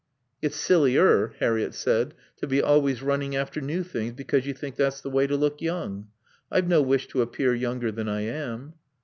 "It's sillier," Harriett said, "to be always running after new things because you think that's the way to look young. I've no wish to appear younger than I am."